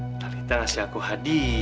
nontalita ngasih aku hadiah